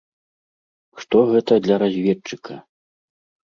Што гэта для разведчыка?